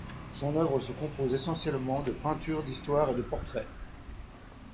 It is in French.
Son œuvre se compose essentiellement de peinture d'histoire et de portraits.